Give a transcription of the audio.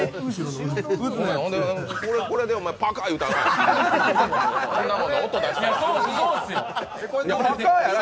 これでお前、パカっいうたらあかんやろ。